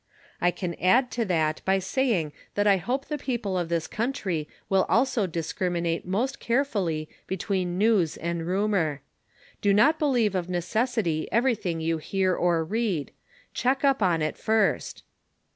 I can add to that by saying that I hope the people of this country will also discriminate most carefully between news and rumor. Do not believe of necessity everything you hear or read. Check up on it first.